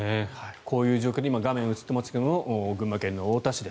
こういう状況で今、画面に映っていますが群馬県太田市で。